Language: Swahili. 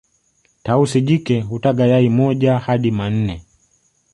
tausi jike hutaga yai moja hadi manne